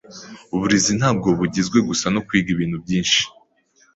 Uburezi ntabwo bugizwe gusa no kwiga ibintu byinshi.